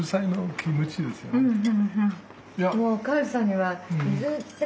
うん！